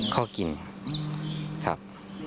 ข้อกินครับ